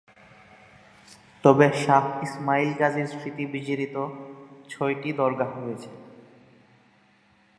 তবে শাহ ইসমাইল গাজীর স্মৃতি বিজড়িত ছয়টি দরগাহ রয়েছে।